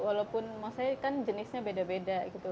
walaupun maksudnya kan jenisnya beda beda gitu